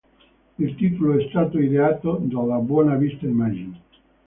Il titolo è stato ideato dalla Buena Vista Imaging.